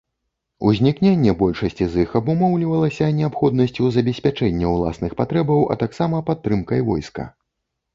Узнікненне большасці з іх абумоўлівалася неабходнасцю забеспячэння ўласных патрэбаў, а таксама падтрымкай войска.